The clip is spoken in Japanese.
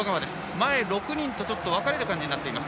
前６人と分かれる感じになっています。